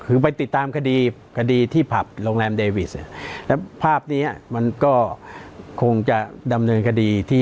คือไปติดตามคดีที่ผับโรงแรมเดวิซร้ำภาพนี้มันก็คงจะดำเนินคดี